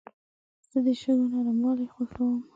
زه د شګو نرموالي خوښوم.